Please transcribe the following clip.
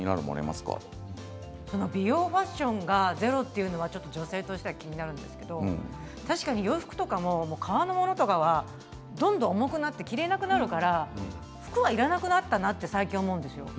美容ファッションがゼロというのは女性として気になるんですけど確かに洋服、革のものはどんどん重くなって着れなくなるから服はいらなくなったなって最近思うんですよ。